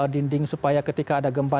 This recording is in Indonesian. dinding supaya ketika ada gempa